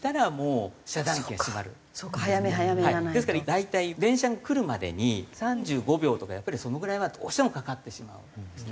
大体電車が来るまでに３５秒とかやっぱりそのぐらいはどうしてもかかってしまうんですね。